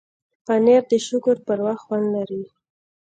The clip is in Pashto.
پنېر د شکر پر وخت خوند لري.